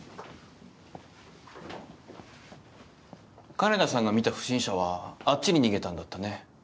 金田さんが見た不審者はあっちに逃げたんだったね。